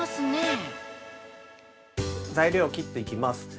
◆材料を切っていきます。